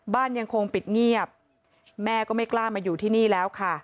ยังคงปิดเงียบแม่ก็ไม่กล้ามาอยู่ที่นี่แล้วค่ะ